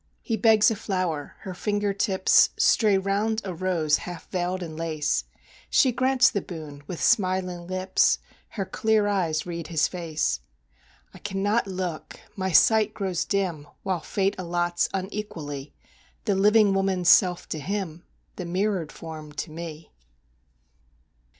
He begs a flower; her finger tips Stray round a rose half veiled in lace; She grants the boon with smiling lips, Her clear eyes read his face. I cannot look my sight grows dim While Fate allots, unequally, The living woman's self to him, The mirrored form to me.